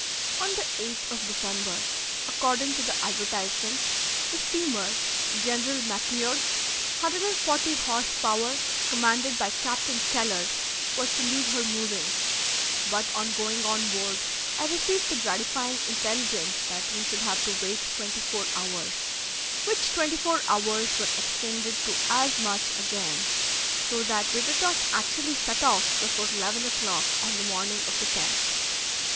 On the 8th of December, according to the advertisement, the steamer "General Macleod," 140 horse power, commanded by Captain Kellar, was to leave her moorings; but on going on board, I received the gratifying intelligence that we should have to wait twenty four hours, which twenty four hours were extended to as much again, so that we did not actually set off before 11 o'clock on the morning of the 10th.